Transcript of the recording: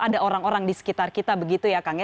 ada orang orang di sekitar kita begitu ya kang ya